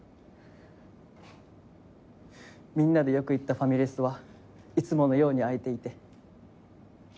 みんなでよく行ったファミレスはいつものように開いていて。